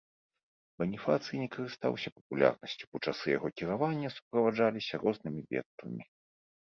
Баніфацый не карыстаўся папулярнасцю, бо часы яго кіравання суправаджаліся рознымі бедствамі.